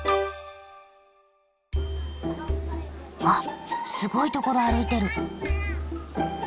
あっすごい所歩いてる。